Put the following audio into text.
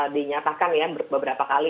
dinyatakan ya beberapa kali